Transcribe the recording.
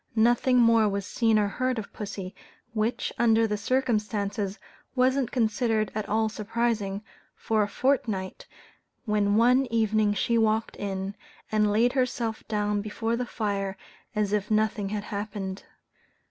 Nothing more was seen or heard of pussy which, under the circumstances, wasn't considered at all surprising for a fortnight, when one evening she walked in, and laid herself down before the fire as if nothing had happened.